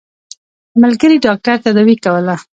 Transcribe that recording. ملګري ډاکټر تداوي کوله.